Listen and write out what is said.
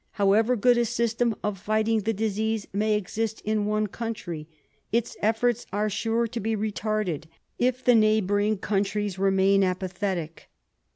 However good a system of fighting the disease may exist in one country, its efforts are sure to be retarded if the neighbouring countries remain apathetic.